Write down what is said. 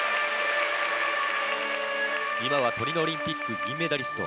今はトリノオリンピック銀メダリスト